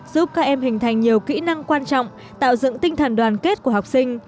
giúp các em hình thành nhiều kỹ năng quan trọng tạo dựng tinh thần đoàn kết của học sinh